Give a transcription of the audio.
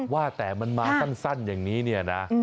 ว่าแต่มันมาสั้นอย่างนี้เนี่ยนะ